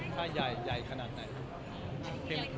ถ้าใหญ่ใหญ่ขนาดไหน